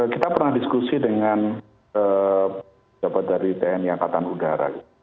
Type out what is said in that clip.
kita pernah diskusi dengan jabat dari tni angkatan udara